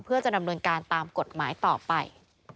เพื่อจะดำเนินการตามกฎหมายต่อไป